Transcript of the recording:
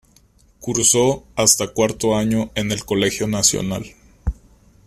Cursó hasta cuarto año en el Colegio Nacional.